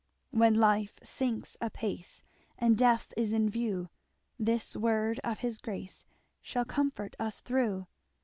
"When life sinks apace, And death is in view, This word of his grace Shall comfort us through.